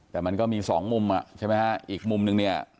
แต่มันก็มีสองมุมอ่ะใช่ไหมฮะอีกมุมนึงเนี่ย